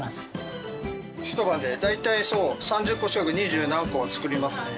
一晩で大体そう３０個近く二十何個作ります。